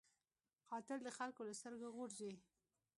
قاتل د خلکو له سترګو غورځي